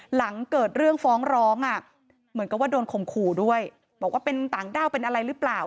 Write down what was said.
หลังเกิดเรื่องฟ้องร้องอ่ะเหมือนกับว่าโดนข่มขู่ด้วยบอกว่าเป็นต่างด้าวเป็นอะไรหรือเปล่า